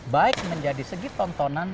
baik menjadi segi tontonan